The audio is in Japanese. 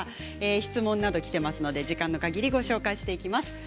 質問などもきていますので時間のかぎりご紹介します。